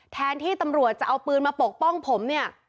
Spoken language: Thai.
แทนที่ตำรวจจะเอาปืนมาปกป้องผมเนี่ย